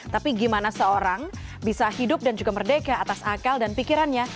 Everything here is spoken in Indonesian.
tapi gimana seorang bisa hidup dan juga merdeka atas akal dan pikirannya